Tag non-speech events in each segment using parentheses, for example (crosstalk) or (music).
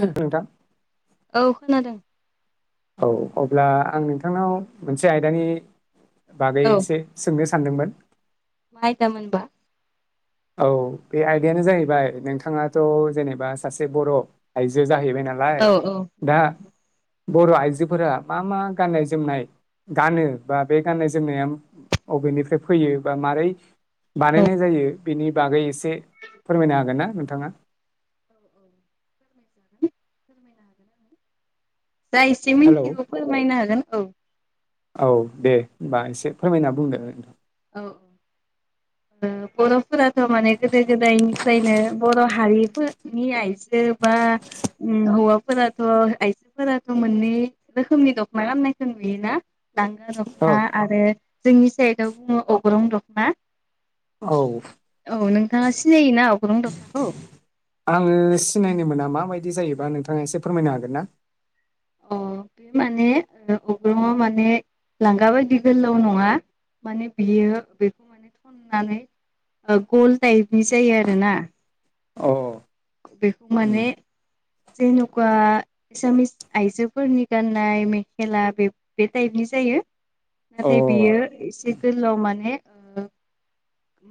नोंथां। औ खोनादों। औ अब्ला आं नोंथांनाव मोनसे आयदानि बागै औ एसे सोंनो सानदोंमोन। मा आइदामोनबा? औ बे आयदायानो जाहैबाय नोंथाङाथ' जेनेबा सासे बर' आइजो जाहैबाय ना लाइ औ दा नंगौ बर' आइजोफोरा मा मा गाननाय जोमनाय गानो बा बे गाननाय जोमनाया अबेनिफ्राय फैयो बा मारै औ। फोरमायनो बानायनाय जायो बेनि बागै एसे फोरमायनो हागोन ना नोंथाङा। (unintelligible) जा एसे हेलौ मिन्थिगौ फोरमायनो हागोन औ। औ दे होनबा एसे फोरमायना बुंदो नोनि औ औ। बर'फोराथ' माने गोदो गोदायनिफ्रायनो बर' हारिफोरनि आइजो बा ओम हौवा फोराथ' आइजोफोराथ' मोनै रोखोमनि दखना खालामनायखौ नुयोना? लांगा औ दखना आरो जोंनि साइडआव बुङो अग्रं दखना। औ औ नोंथाङा सिनायोना अग्रं दखनाखौ? आङो सिनायनो मोना माबायदि जायोबा नोंथाङा एसे फोरमायनो हागोन ना? अ बे माने अग्रंआ माने लांगा बायदि गोलाव नङा। माने बियो बेखौ माने थननानै गल टायपनि जायो आरोना। अ। बेखौ माने उम जेन'खा एसामिस आइजोफोरनि गान्नाय मेखेला बे- बे टाइपनि जायो। अ नाथाय बियो एसे गोलआव माने ओ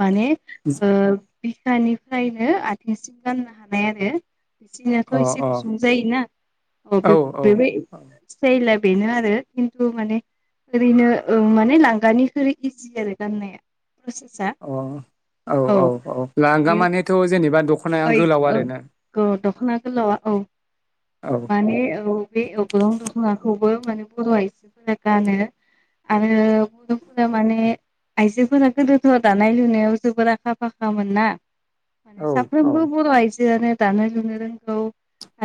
माने ओ बिखानिफ्रायनो आथिंसिम गाननो हानाय आरो। बिसोरनियाथ' अ एसे अ गुसुं जायोना अ औ बेखौ बेबाय टायला बेनो आरो खिन्थु माने ओरैनो ओ माने लांगा निख्रुय इजि आरो गाननाया। प्रसेसा अ औ औ औ लांगा बे मानेथ' जेनेबा दख ओइ औ औ दख'ना गोलावा औ औ माने औ। बे अग्रं दख'नाखौबो माने बर' आइजोफोरा गानो। आरो गुद फद माने (unintelligible) आइजोफोरा गोदोथ' दानाय- लुनायाव जोबोर आखा फाखामोन ना माने औ साफ औ बर' आइजोआनो दानो लुनो रोंगौ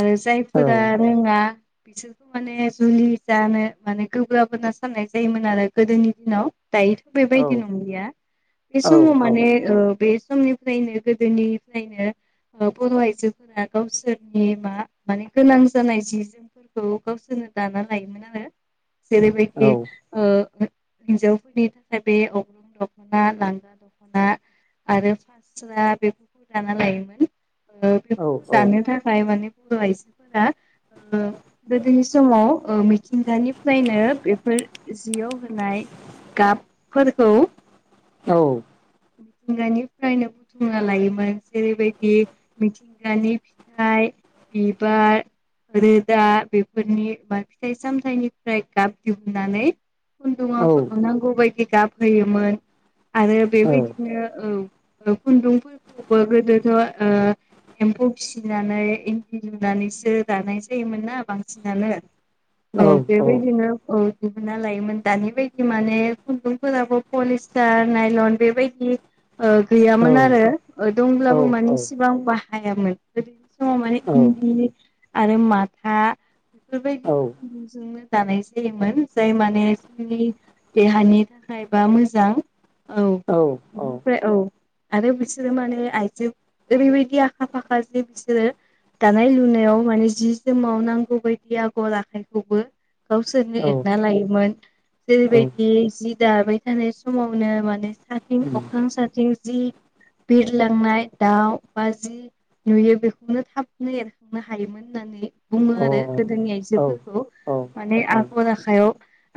आरो औ जायफोरा रोङा बिसोरखौ माने जुलि जानो माने गोग्राबोना साननाय जायोमोन आरो गोदोनि दिनाव दायो औ बेबायदि नंलिया बे औ समाव औ माने बे समनिफ्रायनो गोदोनि मानो बर' आइजोफोरा गावसोरनि मा माने गोनां जानाय जि जो फोरखौ गावसोरनो दाना लायोमोन। आरो औ जेरैबायदि ओ हिनजावफोरनि थाखाय बे अग्रं दख'ना, लांगा दख'ना आरो लांगा दखना सोबा बेख दाना लायोमोन ओ औ बेफोरखौ दानो थाखाय माने बर' आइजोफोरा ओ गोदोनि समाव ओ मिथिंगानिफ्रायनो बेफोर जियाव होनाय गाबफोरखौ औ मिथिंगानिफ्रायनो बुथुमना लायोमोन जेरैबायदि मिथिंगानि फिथाइ बिबार आरो दा बेफोरनि फार्से सामथायाइनिफ्राय गाब दिुमनानै खुन्दुङाव औ नांगौ बायदि गाब होयोमोन आरो बेबायदि बिदिनो औ खुन्दुंफोरखौबो गोदोथ' ओ एम्फौ फिसिनानै इन्दि लुनानैसो दानाय जायोमोन ना बांसिनानो। औ बेबायदिनो औ। दिहुनना लायोमोन। दानि बायदि माने खुन्दुंफोराबो पलिस्टार नाइलन बेबायदि ओ औ गैयामोन औ आरो दंब्लाबो माने सिगां बाहायामोन। समाव माने इन्दि आरो माथा बेफोरबायदि खुन्दुंजोंनो जानाय जायोमोन। जाय माने जोंनि देहानि थाखाय बा मोजां औ औ बिनिफ्राय औ आरो बिसोरो माने आइजो ओरैबायदि आखा फाखा जे बिसोरो दानाय लुनायाव माने जि जोमाव नांगौ बायदि आगर आखाइखौबो गावसोरनो एरना लायोमोन जेरैबायदि जि दाबाय थानाय समावनो माने साथिं उम अख्रां साथिं जि बिर लोंनाय दाउ बा जि नुयो बेखौनो थाबनो एरखांनो हायोमोन होननानै बुङो अ औ आरो गोदोनि औ आइजोफोरखौ औ औ माने आगर आखायाव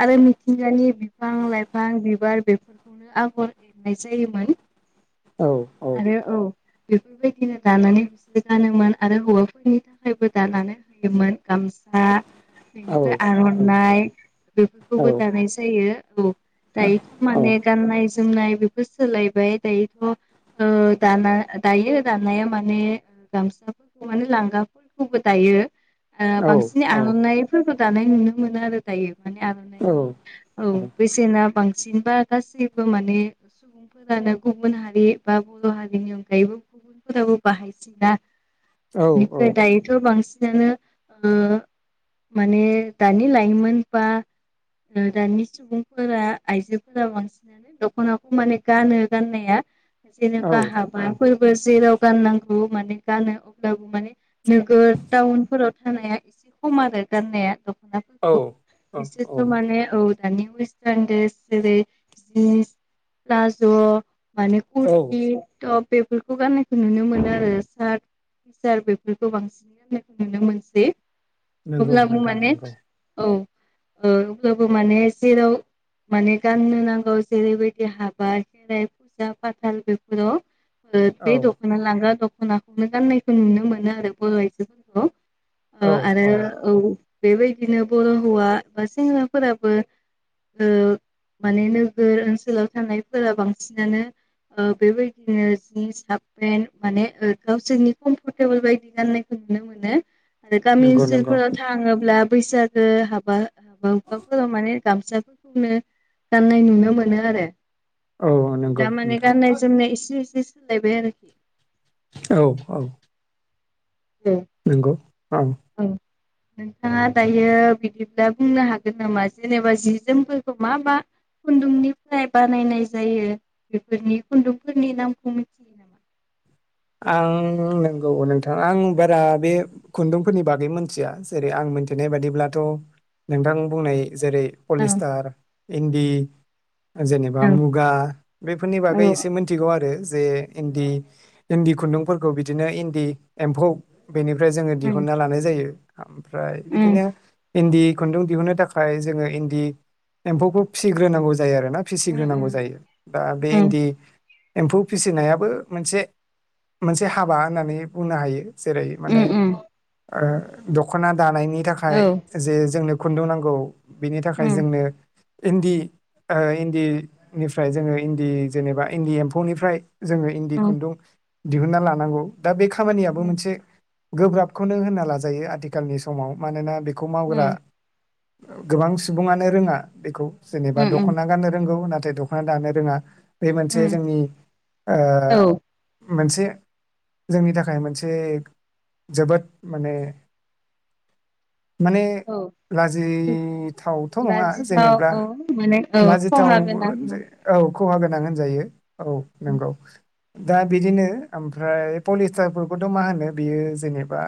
आरो मिथिंगानि बिफां लाइफां बिबार बेफोरखौनो आगर एनाय जायोमोन। औ औ आरो औ बेफोरबायदिनो दानानै बिसोर गानोमोन आरो हौवाफोरनि थाखायबो दानानै होयोमोन गामसा औ बेनिफ्राय आर'ना बेफोरखौबो दानाय जायो औ। दायोथ' माने गाननाय जोमनाय बेफोर सोलायबाय दायोथ' ओ दाना दायो दानाया माने गामसाफोरखौ माने लांगाफोरखौबो दायो। ओ बांसिन आर'नाइफोरखौ दानाय नुनो मोनो आरो दायो माने आर'नाइनि औ बेसेना बांसिनबा गासिबो माने सुबुंफोरानो गुबुन हारि बा बर' हारिनि अनगायैबो गुबुनफोराबो बाहायसैना औ औ बेनिफ्राय दायो। थ बांसिनानो ओ माने दानि लाइमोन बा ओ दानि सुबुंफोरा आइजोफोरा बांसिन दख'नाखौ माने गानो गाननाया औ जेनोबा हाबाफोर जेराव गाननांगौ माने गानो अब्लाबो माने नोगोर टाउनफोराव थानाया एसे खम आरो गाननाया‌। औ फोरखौ औ औ बिसोरथ' माने औ दानि वेस्ट एडेलस जेरै जिन्स प्लाज' माने औ कुरति टप बेफोरखौ गाननायखौ नुनो मोनो आरो सार्ट फिसार बेफोरखौ बांसिनै गाननायखौ नुनो मोनसै नंगौ अब्लाबो नोंथां माने नंगौ औ ओ अब्लाबो माने जेराव माने गाननो नांगौ। ओ जेरैबायदि हाबा खेराय फुजा फाथाल बेफोराव ओ बे औ दखना लांगा दख'नाखौनो गाननायखौ नुनो मोनो आरो बर' आइजोफोरखौ। ओ आरो औ। बेबायदिनो बर' हौवा बा सेंग्राफोराबो ओ माने नो गोर ओनसोलाव थानायफोरा बांसिनानो ओ बेबायदिनो जिनस हापेेन माने ओ गावसोरनि कमफरटेबोल बायदि गाननाय नुनो मोनो आरो गामि नंगौ नंगौ ओनसोलफोराव थाङोब्ला बैसागो हाबा हाबा हुखाफोराव माने गामसाफोरखौनो गाननाय नुनो मोनो आरो औ नंगौ दा माने नोंथां गाननाय जोमनाय एसे-एसे सोलायबाय आरोखि। औ औ उम नंगौ औ। ओं। नोंथाङा दायो बिदिब्ला बुंनो हागोन नामा जेनेबा जि जोमफोरखौ मा मा खुन्दुंनिफ्राय बानायनाय जायो बेफोरनि खुन्दुंफोरनि नामखौ मिथि आं नंगौ नोंथां आं बारा बे खुन्दुंफोरनि बागै मोनथिया जेरै आं मिथिनाय बादिब्लाथ' नोंथां बुंनाय जेरै पलिस्टार, इन्दि जेनेबा औ मुगा। बेफोरनि बागै औ औ एसे मिथिगौ आरो जे इन्दि इन्दि खुन्दुंफोरखौ बिदिनो इन्दि एम्फौ बेनिफ्राय जोङो उम दिहुनना लानाय जायो ओमफ्राय उम बिदिनो। इन्दि खुन्दुं दिहुनो थाखाय जोङो इन्दि एम्फौखौ फिसिग्रोनांगौ जायो आरोना फिसिग्रोनांगौ जायो दा बे उम इन्दि एम्फौ फिसिनायाबो मोनसे। मोनसे हाबा होननानै बुंनो हायो जेरै माने। ओ दख'ना दानायनि थाखाय औ जे जोंनो खुन्दुं नांगौ। बेनि थाखाय उम जोंनो। इन्दि ओ इन्दिनिफ्राय जोङो इन्दि जेनेबा इन्दि एम्फौनिफ्राय। जोङो इन्दि उम खुन्दुं दिहुनना लानांगौ दा बे खामानियाबो उम मोनसे। गोब्राबखौनो होनना लाजायो आथिखालनि समाव मानोना बेखौ मावग्रा ओ गोबां सुबुङानो रोङा बेखौ जेनेबा उम उम दख'ना गाननो रोंगौ नाथाय द मा दानो रोङा बे मोनसे उम जोंनि ओ औ मोनसे जोंनि थाखाय मोनसे जोबोद माने माने। औ लाजिथावथ' नङा लाजिथाव जेनेब्ला औ माने औ खहा लाजिथावबो गोनां होन उम जायो। औ खहा गोनां होनजायो औ नंगौ दा बिदिनो ओमफ्राय पलिस्टारफोरखौथ' मा होनो बियो जेनेबा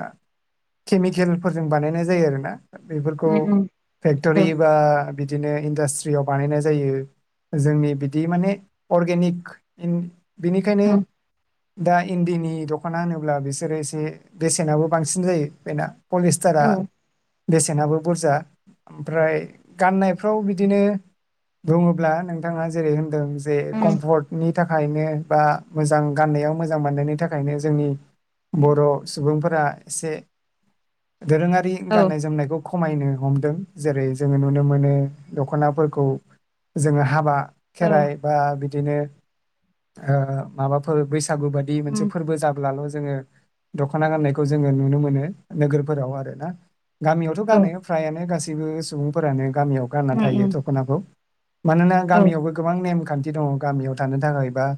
केमिकेलफोरजों बानायनाय जायो आरोना बेफोरखौ उम उम फेक्ट'रि औ एबा बिदिनो इन्डास्ट्रियाव बानायनाय जायो। जोंनि बिदि माने अर्गेनिक बिनिखायनो। औ दा इन्दिनि दख'ना होनोब्ला बिसोरो एसे बेसेनाबो बांसिन जायो बेना। पुलिस्टारा औ बेसेनाबो बुरजा ओमफ्राय गाननायफ्राव बिदिनो बुङोब्ला नोंथाङा जेरै होनदों। जे कम्फर्टनि थाखायनो बा मोजां गाननायाव मोजां मोननायनि थाखायनो जोंनि उम बर' सुबुंफोरा एसे दोरोङारि औ गाननाय जोमनायखौ खमायनो हमदों जेरै जोङो नुनो मोनो दख'नाफोरखौ। जोङो हाबा औ खेराइ बा बिदिनो ओ माबाफोर बैसागु बा दि मोनसे उम फोरबो जाब्लाल' जोङो दख'ना गाननायखौ जोङो नुनो मोनो नोगोरफोराव आरो ना। गामियावथ' औ गानो फ्रायानो गासैबो सुबुंफोरानो गामियाव गानना उम उम थायो दख'नाखौ। मानोना औ गामियावबो गोबां नेमखान्थि दङ गामियाव थानो थाखाय बा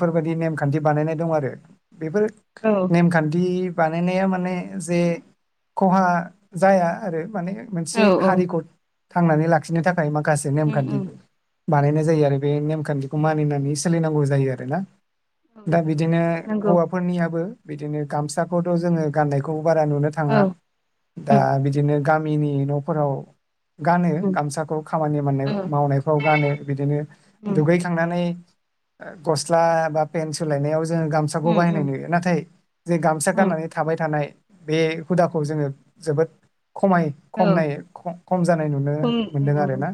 फोरबायदि नेमखान्थि बानायनाय दं आरो बेफोर औ नेमखान्थि बानायनाया माने जे खहा जाया आरो माने औ मोनसे औ हारिखौ थांनानै लाखिनो थाखाय माखासे उम उम नेमखान्थि बानायनाय जायो आरो बे नेमखान्थिखौ मानिनानै सोलिनांगौ जायो आरो ना औ दा नंगौ बिदिनो नंगौ हौवाफोरनियाबो बिदिनो गामसाखौथ' जोङो गाननायखौ बारा नुनो औ थाङा दा उम बिदिनो गामिनि न'फोराव गानो उम गामसाखौ खामानि मावनाय औ मावनायफ्राव गानो बिदिनो उम दुगै थांनानै गस्ला बा पेेन सोलायनायाव जोङो गामसाखौ उम बाहायनाय उम नुयो नाथाय जे गामसा उम औ गाननानै थाबाय थानाय बे हुदाखौ जोङो जोबोद खमाय खमनाय ख-खम जानाय नुनो उम उम मोनदों औ आरो उम ना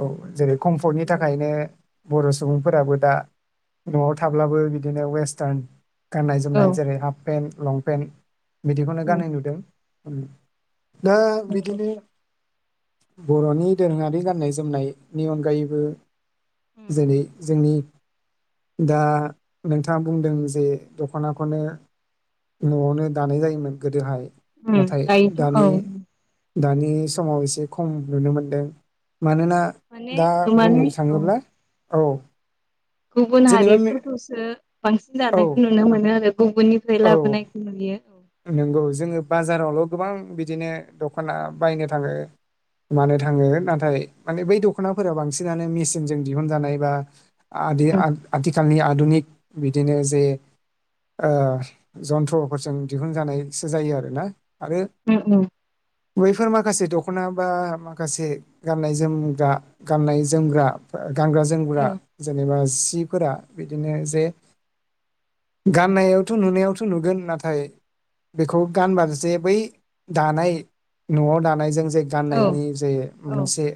औ जेरै कम्फर्टनि नंगौ थाखायनो बर' सुबुंफोराबो दा न'आव थाब्लाबो बिदिनो वेस्टार्न गाननाय जोमनाय जेरै हाफ पेन्ट लंपेन्ट बिदिखौनो गान नुदों दा बिदिनो बर'नि दोरोङारि गाननाय जोमनायनि अनगायैबो उम उम जेरै- जोंनि दा नोंथाङा बुंदों जे दख'नाखौनो न'आवनो दानाय जायोमोन गोदोहाय उम नाथाय दायोथ' औ दानि दानि समाव एसे खम नुनो मोनदों मानोना माने दा बुंनो माने औ थाङोब्ला औ। गुबुन जेनेबा मे- हारिफोरखौसो बांसिन औ जानायखौ नुनो मोनो आरो गुबुननिफ्राय औ लाबोनायखौ नुयो। औ नंगौ जोङो बाजारावल' गोबां बिदिनो दख'ना बायनो थाङो। मानो थाङो नाथाय माने बै दख'नाफोरा बांसिनानो मेसिनजों दिहुनजानाय बा आदि उम आथ-आथिखालनि आधुनिक बिदिनो जे आ जन्थ्रफोरजों दिहुनजानायसो जायो आरो ना आरो उम ओम। बैफोर माखासे दख'ना बा माखासे गाननाय जोमग्रा गाननाय जोमग्रा गानग्रा जोमग्रा औ जेनेबा जि जिफोरा बिदिनो जे गाननायावथ' नुनायावथ' नुगोन नाथाय बेखौ गानबा जे बै दानाय न'आव दानायजों जे औ गाननायनि जे औ मोनसे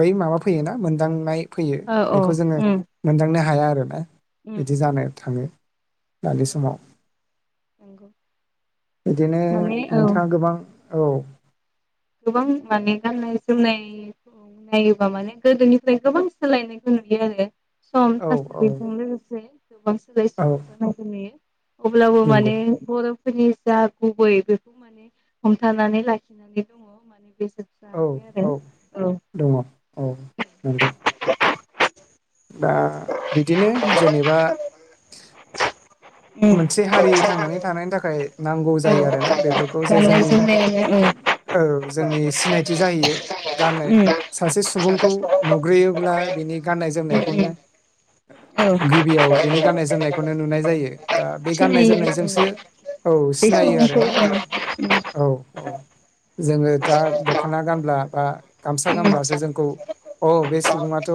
बै माबा फैयोना मोनदांनाय फैयो औ औ बेखौ जोङो उम मोनदांनो हाया आरोना उम बिदि उम जानो थाङो। दानि औ समाव नंगौ बिदिनो माने औ नोंथाङा गोबां औ गोबां माने गाननाय जोमनाय नायोबा माने गोदोनिफ्राय गोबां सोलायनायखौ नुयो आरो सम औ औ थासारिजों लोगोसे। औ (unintelligible) अब्लाबो नंगौ माने बर'फोरनि जा गुबै बेखौ माने हमथानानै लाखि (unintelligible) औ औ दङ औ नंगौ। (unintelligible) दा बिदिनो जेनेबा मोनसे हारि उम थांनानै थानायनि थाखाय नांगौ जायो आरोना औ बेफोरखौ जे गाननाय जोंनि जोमनायानो औ औ जोंनि सिनायथि जाहैयो। गाननाय उम उम सासे सुबुंखौ उम नुग्रोयोब्ला बिनि गाननाय जोमनायखौनो औ गिबियाव बेनि गाननाय जोमनायखौनो नुनाय जायो दा बे गाननाय सिनायो जोमनायजोंसो औ बे सिनायो सैमाखौ आरोना उम औ औ। जोङो दा दख'ना गानब्ला बा गामसा उम उम गानब्लासो जोंखौ औ बे सुबुङाथ'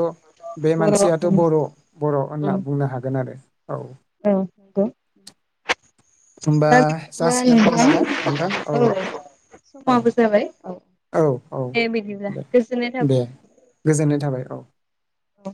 बे बर' मानसियाथ' उम बर'। बर' उम होनना बुंनो हागोन आरो औ। औ दे। (unintelligible) होमबा जासिगोन होमबा ना नोंथां औ औ समाबो जाबाय औ दे बिदिब्ला दे गोजोननाय दे थाबाय। गोजोननाय थाबाय औ। औ